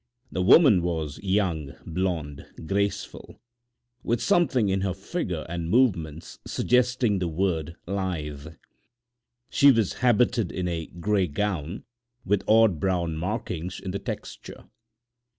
The woman was young, blonde, graceful, with something in her figure and movements suggesting the word "lithe." She was habited in a gray gown with odd brown markings in the texture.